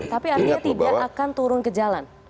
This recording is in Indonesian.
tapi artinya tidak akan turun ke jalan